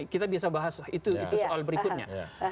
kita bisa bahas itu soal berikutnya